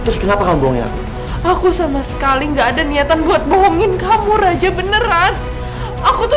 terus kenapa kamu buang aku aku sama sekali nggak ada niatan buat bohongin kamu raja beneran aku tuh